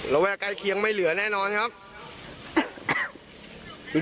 ระแวกใกล้เคียงไม่เหลือแน่นอนครับ